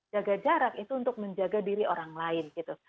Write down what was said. jaga jarak itu untuk menjaga diri orang lain gitu